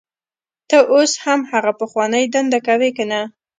ته اوس هم هغه پخوانۍ دنده کوې کنه